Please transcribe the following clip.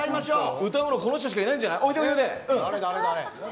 歌うのはこの人しかいないんじゃない。